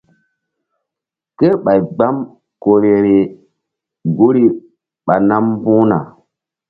Kerɓay gbam ku vbe-vbeh guri ɓa nam mbu̧h na.